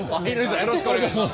よろしくお願いします。